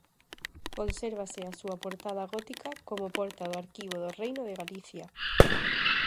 Consérvase a súa portada gótica como porta do Arquivo do Reino de Galicia.